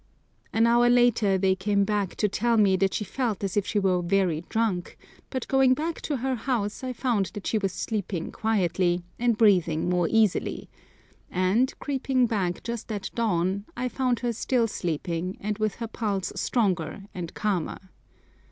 An hour later they came back to tell me that she felt as if she were very drunk; but, going back to her house, I found that she was sleeping quietly, and breathing more easily; and, creeping back just at dawn, I found her still sleeping, and with her pulse stronger and calmer.